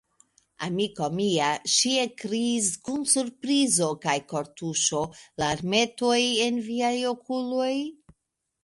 amiko mia, ŝi ekkriis kun surprizo kaj kortuŝo, larmetoj en viaj okuloj?